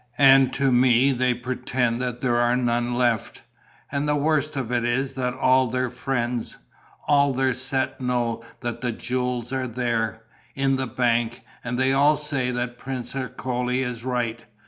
And to me they pretend that there are none left. And the worst of it is that all their friends, all their set know that the jewels are there, in the bank, and they all say that Prince Ercole is right.